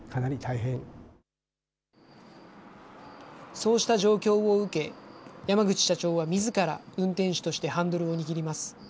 そうした状況を受け、山口社長はみずから、運転手としてハンドルを握ります。